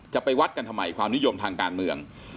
จะไปวัดกันทำไมความนิยมทางการเมือง